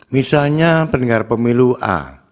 misalnya pendengar pemilu a